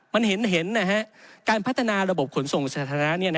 มันเห็นนะฮะการพัฒนาระบบขนส่งสถานะ